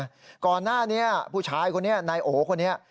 พวงข้างหน้านี้ผู้ชายนายโอเคระนี้